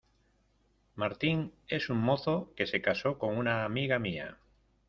Martín es un mozo que se casó con una amiga mía.